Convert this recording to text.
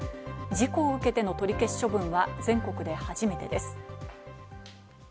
事故を受けての取り消し処分は全国で初めてです。